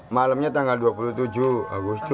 malamnya tanggal dua puluh tujuh agustus